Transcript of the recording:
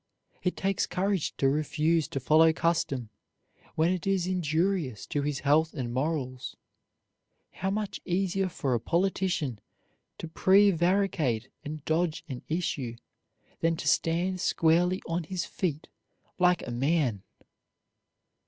It takes courage to refuse to follow custom when it is injurious to his health and morals. How much easier for a politician to prevaricate and dodge an issue than to stand squarely on his feet like a man!